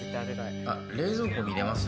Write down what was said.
冷蔵庫、見れます。